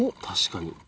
確かに。